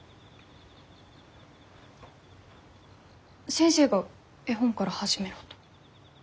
先生が絵本から始めろと。